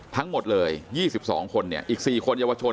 ทั้งหมดเลย๒๒คนอีก๔คนเยาวชน